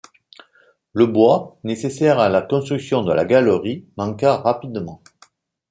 Le bois, nécessaire à la construction de la galerie, manqua rapidement.